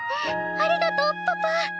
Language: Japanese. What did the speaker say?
ありがとうパパ！